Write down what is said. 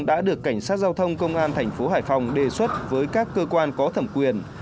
đã được cảnh sát giao thông công an thành phố hải phòng đề xuất với các cơ quan có thẩm quyền